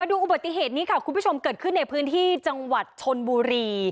ดูอุบัติเหตุนี้ค่ะคุณผู้ชมเกิดขึ้นในพื้นที่จังหวัดชนบุรี